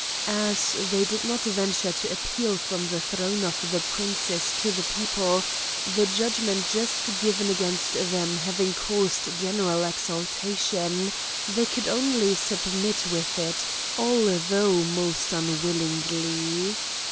As they did not venture to appeal from the throne of the princess to the people, the judgment just given against them having caused general exultation, they could only submit with it, although most unwillingly.